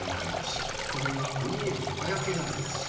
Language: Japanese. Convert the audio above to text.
これは鬼への魔よけなんです。